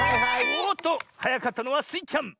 おっとはやかったのはスイちゃん！